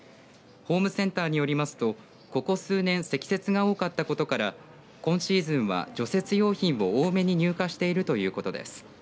ホームセンターによりますとここ数年積雪が多かったことから今シーズンは除雪用品を多めに入荷しているということです。